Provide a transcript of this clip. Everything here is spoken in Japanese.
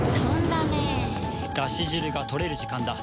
だし汁が取れる時間だ。